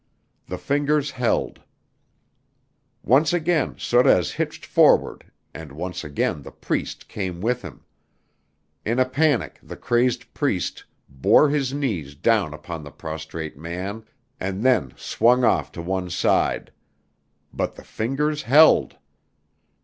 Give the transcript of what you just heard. The fingers held. Once again Sorez hitched forward and once again the Priest came with him. In a panic the crazed Priest bore his knees down upon the prostrate man and then swung off to one side. But the fingers held.